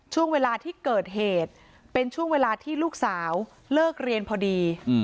ช่วงเวลาที่เกิดเหตุเป็นช่วงเวลาที่ลูกสาวเลิกเรียนพอดี